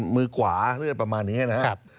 มือกวาเลือดประมาณนี้นะครับ